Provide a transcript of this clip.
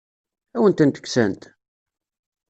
Ad awen-tent-kksent?